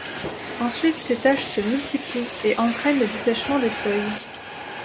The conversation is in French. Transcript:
Ensuite ces taches se multiplient et entraînent le dessèchement des feuilles.